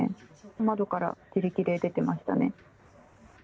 窓から自力で出てましたね。